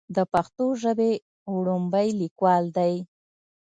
د پښتو ژبې وړومبے ليکوال دی